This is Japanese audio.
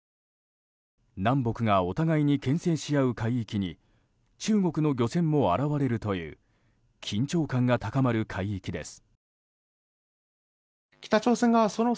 南北がお互いに牽制しあう海域に中国の漁船も現れるという緊張感が高まる海域です。